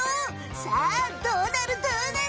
さあどうなるどうなる？